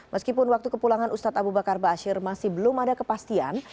meskipun waktu kepulangan ustadz abu bakar basir masih belum ada kepastian